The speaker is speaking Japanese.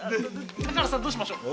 高原さんどうしましょう？